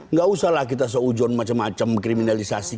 nggak usahlah kita seujurn macam macam kriminalisasi